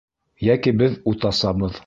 Йәки беҙ ут асабыҙ!